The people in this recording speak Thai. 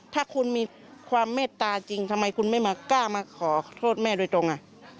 ถ้าคุณมีความเมตตาจริงทำไมคุณไม่มากล้ามาขอโทษแม่โดยตรง